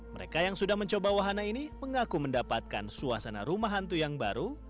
mereka yang sudah mencoba wahana ini mengaku mendapatkan suasana rumah hantu yang baru